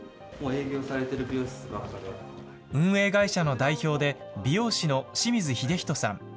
運営会社の代表で、美容師の清水秀仁さん。